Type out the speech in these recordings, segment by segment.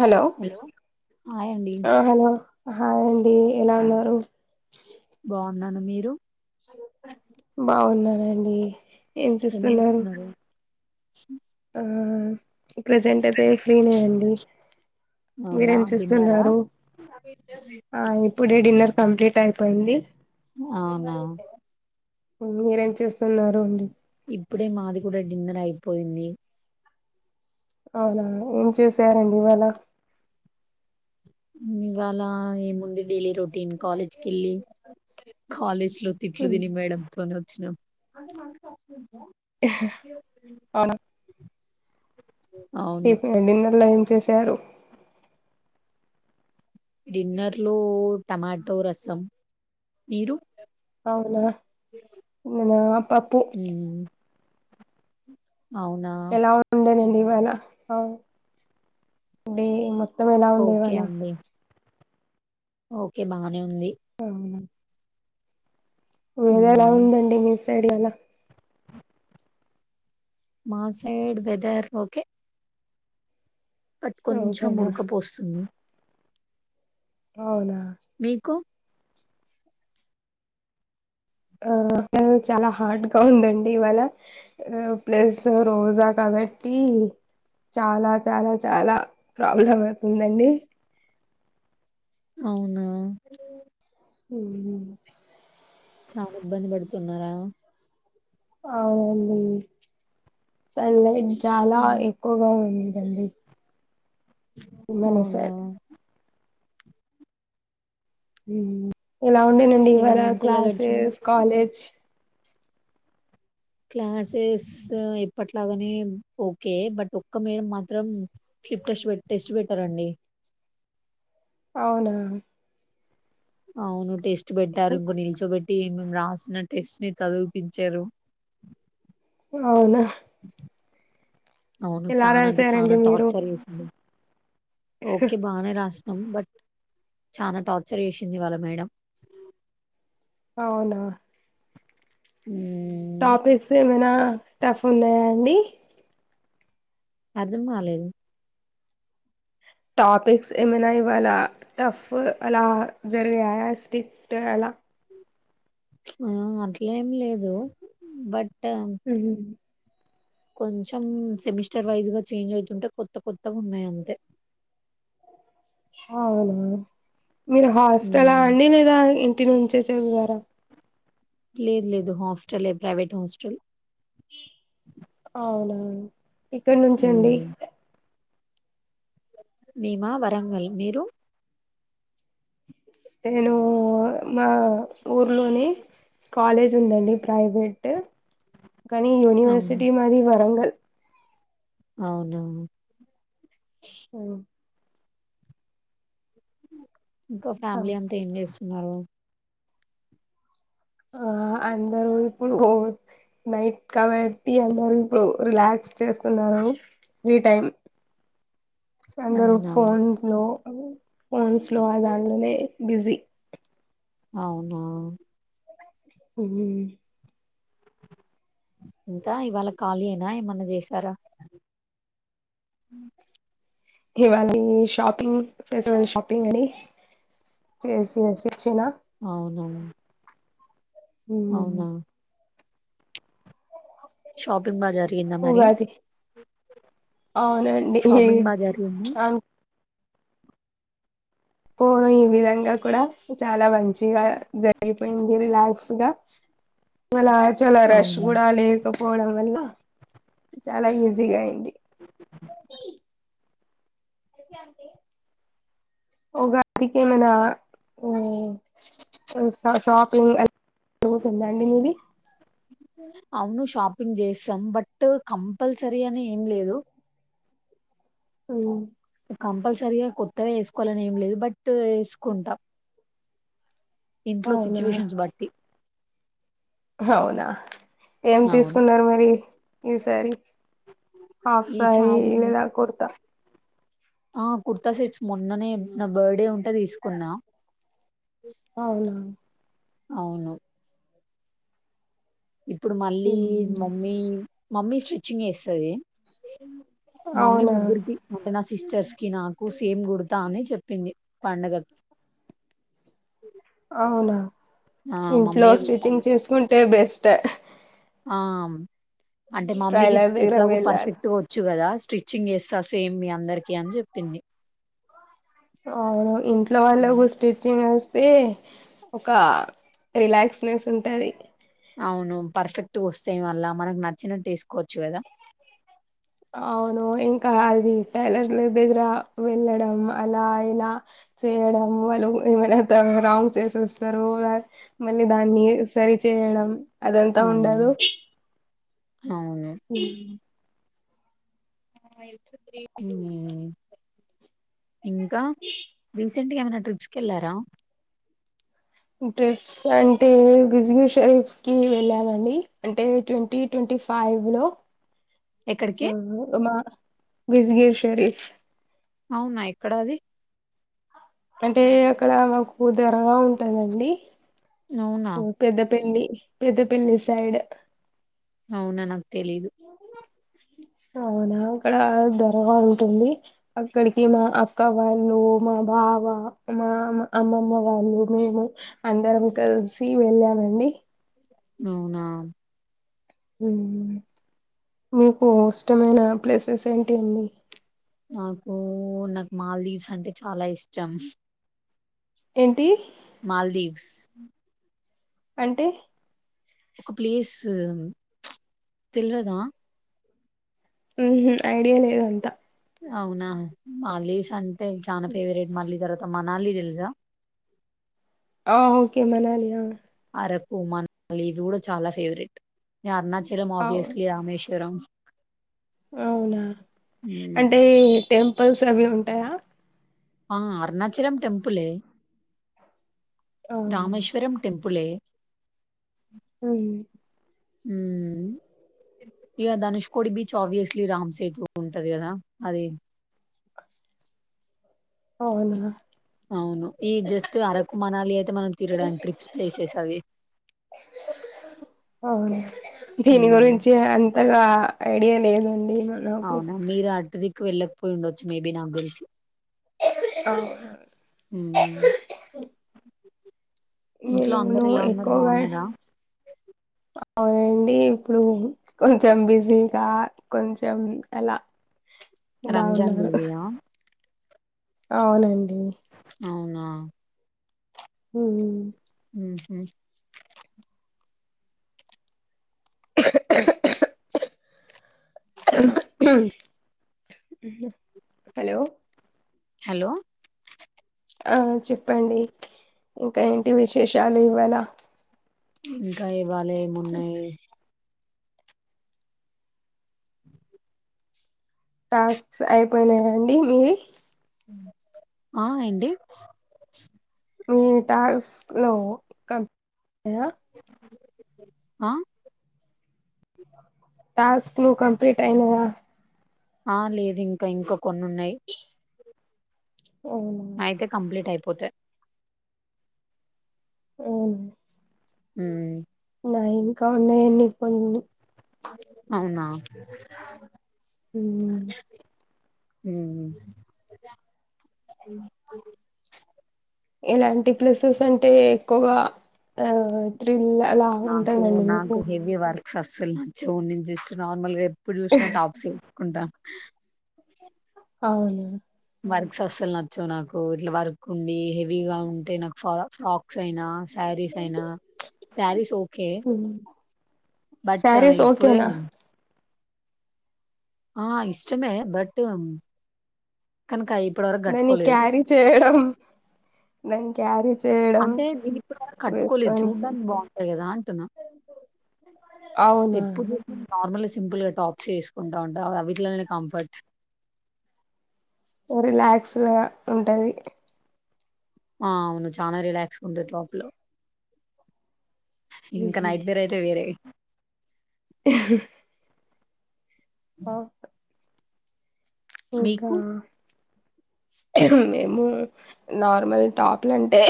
Hello hi అండి ఆ hello hi అండి ఎలా ఉన్నారు బాగున్నాను మీరు బాగున్నానండి ఏం చూస్తున్నారు స ఉ ప్రెజెంట్ అయితే ఫ్రీనే అండి అవునా మీరేం తిన్నారా చేస్తున్నారు ఆ ఇప్పుడే డిన్నర్ కంప్లీట్ అయిపోయింది అవునా ఉ మీరేం చేస్తున్నారు అండి ఇప్పుడే మాది గూడ డిన్నర్ అయిపోయింది అవునా ఏం చేసారండి ఇవాళ ఇవాళ ఏముంది డైలీ రొటీన్ కాలేజ్ కెళ్ళి కాలేజ్ తిట్లు ఉమ్, తిని మేడంతోనే వచ్చినం అవునా అవును టిఫి డిన్నర్ లో ఏం చేసారు డిన్నర్ లో టమాటో రసం మీరు అవునా నినా పప్పు ఉమ్ అవునా వనా అవును డే మొత్తమేలా ఓకే ఇవ్వాల అండి ఓకే బానే ఉంది వెద ఎలా ఉమ్ వుందండి మీ సైడ్గాలా మా సైడ్ వెదర్ ఓకే బట్ కొంచెం ఓకేనా ఉడకపోస్తుంది అవునా మీకు ఆ చాలా హార్డ్గా ఉందండి ఇవాళ ఆ ప్లస్ రోజా కాబట్టి చాలా చాలా చాలా ప్రాబ్లం అవుతుందండి అవునా ఉ చాలా ఇబ్బంది పడుతున్నారా అవునండి సండే చాలా ఎక్కువగా ఉంది హెల్ది అవున ఎలా ఉండేనండి ఇవ్వల ఇవాళంతా ఎలా గడిచింది మరి క్లాసెస్ కాలేజ్ క్లాసెస్ ఎప్పట్లాగానే ఓకే బట్ ఒక్క మేడమ్ మాత్రం స్విప్ టెట్ టెస్ట్ పెట్టారండి అవునా అవును టెస్ట్ పెట్టారు ఇంకో నిల్చోబెట్ టీం రాసిన టెస్ట్ ని చదిపించారు అవునా అవును ఎలా చాన అంటే రాశారండి చానా మీరు టార్చర్ చేసింది ఓకే బాగానే రాస్ నం బట్ చానా టార్చర్ చేసింది ఇవ్వల మేడం అవునా మ్మ్ టాపిక్స్ ఏమైనా టఫ్ ఉన్నాయా అండి అర్ధం కాలేదు టాపిక్స్ ఏమైనా ఇవళ టఫ్ అలా జరిగాయా స్ట్రిక్ట్ అలా ఆ అట్లేం లేదు బట్ హుహుం కొంచెం సెమిస్టర్ వైజ్ గా చేంజ్ అవుతుంటే కొత్త కొత్తగా ఉన్నాయి అంతే అవునా మీరు హాస్టల్ మ్మ్ అండి లేదా ఇంటి నుంచి చదివారా లేదు లేదు హాస్టలే ప్రైవేట్ హాస్టల్ అవునా ఇక్కడి నుంచండి మీమా వరంగల్ మీరు నేను మా ఊర్లోని కాలేజ్ ఉందండి ప్రైవేట్ కానీ అవును. యూనివర్సిటీ మాది వరంగల్ అవునా ఆ ఇంకా ఫ్యామిలీ అంతా ఏం చేస్తున్నారు ఆ అందరూ ఇప్పుడు హో నైట్ కాబట్టి అందరు ఇప్పుడు రిలాక్స్ చేస్తున్నారు ఫ్రీ టైమ్ అందరు అవునా! ఫోన్ లో ఫోన్స్ లో ఆ దాంట్లోనే బిజీ అవునా ఉ ఇంకా ఇవాళ ఖాళీ ఏనా ఏమన్నా చేశారా ఇవాళ షాపింగ్ ఫెస్టివల్ షాపింగ్ అని చేసిన అవునా హ అవునా! షాపింగ్ బాగా జరిగిందా మరి ఉగాది అవునండి షాపింగ్ బాగా జరిగింది పోను ఈ విధంగా కూడా చాలా మంచిగా జరిగింది రిలక్స్ గా చాల రష్ అవును. కూడా లేక పోవడం వల్ల చాలా ఈజీగా అయింది ఉగాదికి ఏమైనా షాపింగ్ అ జరుగుతుందాండి మీది అవును షాపింగ్ చేస్తాం బట్ కంపల్సరీ అని ఏం లేదు అ కంపల్సరీగా కొత్తవే వేసుకోవాలని ఏం లేదు బట్ వేసుకుంటాం ఇంట్లో అవునా సిచ్యువేషన్స్ బట్టి అవునా ఏం అవును. తీసుకున్నారు మరి ఈసారి హాఫ్ సారి ఇ ఈసారి లేదా కుర్తా ఆ కుర్తా సెట్స్ మొన్ననే నా బర్త్డే ఉంటే తీసుకున్న అవునా అవును ఇప్పుడు మళ్ళీ ఉమ్. మమ్మీ మమ్మీ స్టిచ్చింగ్ చేస్తది మమ్మీ అవునా ముగ్గురికి ఒకే లాగా స్టిచింగ్ సిస్టర్స్ కి నాకు సేమ్ గుడతా అని చెప్పింది పండుగ అవునా ఇంట్లో మమ్మీయే కుడతాంది స్టిచింగ్ చేసుకుంటే బెస్ట్ ఆ అంటే మామ్మీకి ట్రైలర్ దగ్గర ఎట్లాగ వెళ్ళాలి పర్ఫెక్ట్ గా వచ్చు కదా స్టిచ్చింగ్ చేస్తా సేమ్ మీ అందరికి అని చెప్పింది అవును ఇంట్లో వాళ్ళ ఉమ్. స్టిచ్చింగ్ చేస్తే ఒక రిలాక్స్నెస్ ఉంటది అవును పర్ఫెక్ట్ వస్తే వల్ల మనకు నచ్చినట్టు వేసుకోవచ్చు కదా అవును ఇంకా అది టైలర్ల దగ్గర వెళ్ళడం అలా అయినా చేయడం వాళ్ళు ఏమైనా రాంగ్ చేసేస్తారు మళ్ళీ దాన్ని సరి చేయడం అది అంతా అవును ఉండదు అవును ఇంకా రసెంట్ గా ఏమైనా ట్రిప్స్ కెళ్ళారా ట్రిప్స్ అంటే ఎగ్జిబిషన్ కి వెళ్ళామండి అంటే ట్వంటీ ట్వంటీ ఫైవ్ లో ఎక్కడికి మా విజగి షరీఫ్ అవునా ఎక్కడ అది అంటే అక్కడ మాకు దర్గా ఉంటందండి అవునా? పెద్దపల్లి పెద్దపల్లి సైడ్ అవున నాకు తెలీదు అవునా అక్కడ దర్గా ఉంటుంది అక్కడికి మా అక్క వాళ్ళు మా బావ మా అమ్మమ్మ వాళ్ళు మేము అందరం కలుసి వెళ్ళామండి అవునా మీకు ఇష్టమైన ప్లేసెస్ ఏంటి అండి నాకు నాకు మాల్దీవ్స్ అంటే చాలా ఇష్టం ఏంటి మాల్దీవ్స్ అంటే ఒక ప్లేస్ ఉమ్చ్ తెల్వదా ఉహు ఐడియా లేదు అంతా అవునా మాల్దీవ్స్ అంటే చాలా ఫేవరెట్, మళ్ళీ తర్వాత మనాలి తెలుసా. ఆ ఓకే మనాలి ఆ అరకు, మనాలి ఇది కూడా చాలా ఫేవరెట్ అరుణాచలం, అవును ఆబ్వియస్లీ రామేశ్వరం. అవునా హ్మ్. అంటే టెంపుల్స్ అవి ఉంటాయా. ఆ అరుణాచలం టెంపులే అవునా రామేశ్వరం టెంపులే హ్మ్మ్ ఉమ్ ఇక ధనుష్కోడి బీచ్, ఆబ్వియస్లీ రామ్ సేతు ఉంటది కదా అది. అవునా అవును ఈ జస్ట్ అరకు, మనాలి అయితే మనం తరడానికి ట్రిప్స్ ప్లేసెస్ అవి. అవున, దీని మ్మ్ గురించి అంతగా ఐడియా లేదండి. నాకు అవునా మీరు అటుదిక్కు వెళ్ళకపోయి ఉండొచ్చు మేబీ నాకు తెలిసి మ్మ్ అవున ఇంట్లో అందరు ఎలా ఉన్నారు ఎక్కువగా బాగున్నారా. అవునండి ఇప్పుడు, కొంచెం బిజీగా, కొంచెం ఎలా. రంజాన్ బిజియా అవునండ్ హుమ్ హూ ఉహు హలో హలో ఆ చెప్పండి ఇంకా ఏంటి విశేషాలు ఇవ్వాళ ఇంకా ఇవ్వాళ ఏమున్నాయి టాస్క్స్ అయిపోయినాయాండి మీవి ఆ ఏండి మీ టాస్స్ లో కంప్లీట్ అయ్య ఆ టాస్క్లు కంప్లీట్ అయినాయా ఆ లేదు ఇంకా, ఇంకా కొన్ని ఉన్నాయి అవునా అయితే కంప్లీట్ అయిపోతాయ్ అవ్ ఉమ్ నాయి ఇంకా ఉన్నాయండి కొన్ని అవునా హ్మ్ ఉమ్మ్ ఎలాంటి ప్లసెస్ అంటే ఎక్కువగా ఆ త్రిల్ ఎలా ఉంటాందండి మీకు సస్ అస్సలు నచ్చవు నేను జస్ట్ నార్మల్ గా ఎప్పుడు చూసినా టాప్స్ వేసుకుంటా. ఆ అవున వర్క్స్ అసలు నచ్చవు నాకు ఇట్లా వర్క్ ఉండి. హేవ్ హెవీగా ఉంటే నాకు, ఫర్ ఫ్రాక్స్ అయినా శారీస్ అయినా. శారీస్ ఓకే, బట్ సారీస్ ఇప్పుడే ఓకేనా? ఆ ఇష్టమే బట్ కనక ఐ దాన్ని క్యారీ చేయడం దాని అంటే నేను ఇప్పుడివరకు కట్టుకోలేదు. వేసుకొని చూడ్డానికి బాగుంటాయి కదా అంటున్నా అవునా! ఎప్పుడు నార్మల్ సింపుల్ గా టాప్స్ ఎసుకుంటా ఉంటా అవ్విట్లలే కంఫర్ట్ రిలాక్స్ డ్గా ఉంటది. ఆ అవును చాలా రిలాక్స్ ఉంటది టాప్ లో ఇంకా హుహు. నైట్ బేర్ అయితే వేరే ఆట్ ఇంకా మీకు మేము నార్మల్ టాప్లుంటే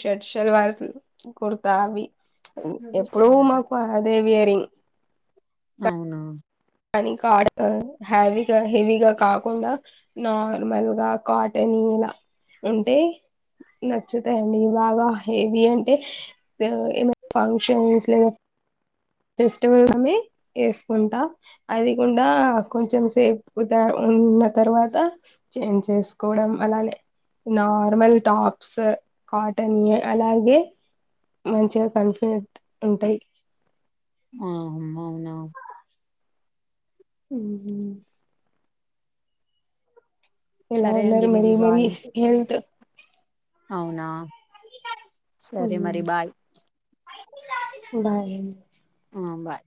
షర్ట్ శల్వార్ కుర్త్ కుర్తావి ఎప్పుడు మాకు అదేవియరింగ్? అవునా కానీ కాట్ ఆ హ్యావీగా హెవీగా కాకుండా నార్మల్ గా కాటన్ ఇలా ఉంటే నచ్చుతాయండి బాగా హెవీ అంటే బ ఏమన్నా ఫంక్షన్స్ లేదా ఫస్టివలోనే ఏసుకుంటా అది కూడా కొంచెం సేపు దా ఉన్న తర్వాత చేంజ్ చేసుకోవడం అలానే నార్మల్ టాప్స్ కాటన్యే అలాగే మంచిగా కంఫర్ట్ ఉంటయి. ఆ అమ్ అవునా ఉహుమ్ ఎలా సరే ఉన్నారు అండి మరి మరి బాయ్ హెల్త్ అవునా సరే మరి బాయ్ బాయ్ ఆ బాయ్